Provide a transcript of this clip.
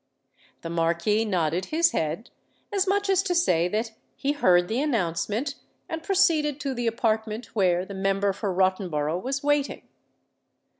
The Marquis nodded his head, as much as to say that he heard the announcement, and proceeded to the apartment where the Member for Rottenborough was waiting.